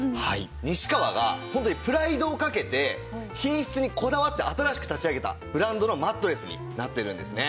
西川がホントにプライドを懸けて品質にこだわって新しく立ち上げたブランドのマットレスになっているんですね。